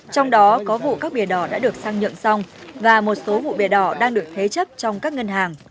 trong đó có vụ các bìa đỏ đã được sang nhượng xong và một số vụ bẻ đỏ đang được thế chấp trong các ngân hàng